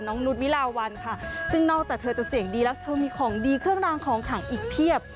นุษย์วิลาวันค่ะซึ่งนอกจากเธอจะเสียงดีแล้วเธอมีของดีเครื่องรางของขังอีกเพียบ